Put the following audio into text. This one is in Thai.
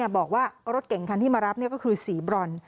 บอกว่ารถเก่งคันที่มารับก็คือสีบรอน